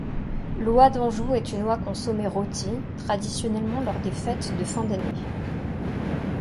L'Oie d'Anjou est une oie consommée rôtie, traditionnellement lors des fêtes de fin d'année.